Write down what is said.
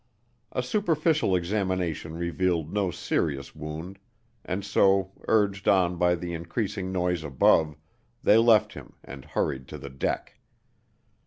A superficial examination revealed no serious wound and so, urged on by the increasing noise above, they left him and hurried to the deck.